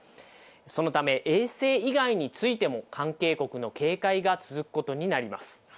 そのため、衛星以外についても関係国の警戒が続くことになります。